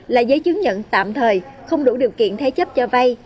là giấy chứng nhận tạm thời không đủ điều kiện thế chấp cho vay